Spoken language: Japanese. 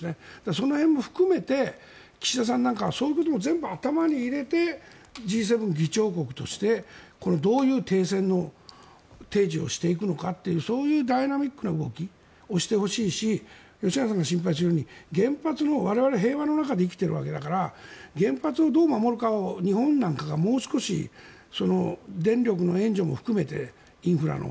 その辺も含めて岸田さんなんかはそういうことも全部頭に入れてＧ７議長国としてどういう停戦の提示をしていくのかというそういうダイナミックな動きをしてほしいし吉永さんが心配するように我々、平和の中で生きているわけだから原発をどう守るかを日本なんかがもう少し電力の援助も含めてインフラの。